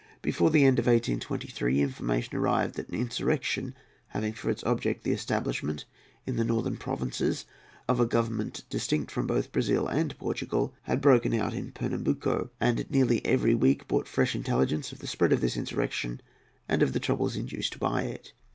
Before the end of 1823 information arrived that an insurrection, having for its object the establishment in the northern provinces of a government distinct from both Brazil and Portugal, had broken out in Pernambuco, and nearly every week brought fresh intelligence of the spread of this insurrection and of the troubles induced by it.